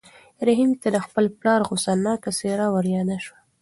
رحیم ته د خپل پلار غوسه ناکه څېره وریاده شوه.